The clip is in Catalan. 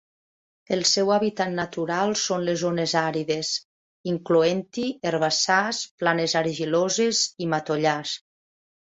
El seu hàbitat natural són les zones àrides, incloent-hi herbassars, planes argiloses i matollars.